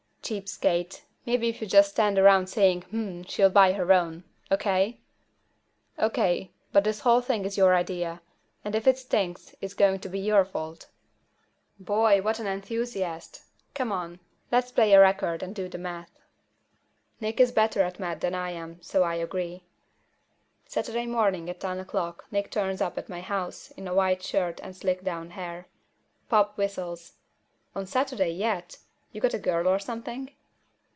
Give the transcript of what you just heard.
"Cheapskate. Maybe if you just stand around saying 'Hmm,' she'll buy her own. O.K.?" "O.K. But this whole thing is your idea, and if it stinks it's going to be your fault." "Boy, what an enthusiast! Come on, let's play a record and do the math." Nick is better at math than I am, so I agree. Saturday morning at ten o'clock Nick turns up at my house in a white shirt and slicked down hair. Pop whistles. "On Saturday, yet! You got a girl or something?"